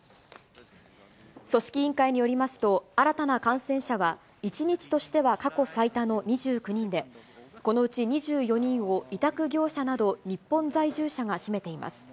組織委員会によりますと、新たな感染者は１日としては過去最多の２９人で、このうち２４人を委託業者など、日本在住者が占めています。